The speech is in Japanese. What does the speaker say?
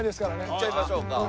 行っちゃいましょうか。